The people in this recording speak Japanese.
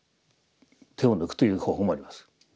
手を抜くという方法もあります。